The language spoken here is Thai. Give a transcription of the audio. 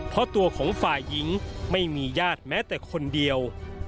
เพราะตัวของฝ่ายหญิงไม่มีญาติแม้แต่คนเดียว